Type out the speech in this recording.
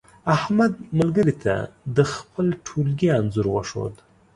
احمد ملګري ته د خپل ټولگي انځور وښود.